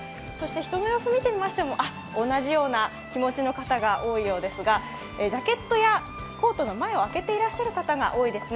人の様子を見てみましても、同じような気持ちの方が多いようですがジャケットやコートの前を開けていらっしゃる方が多いようですね。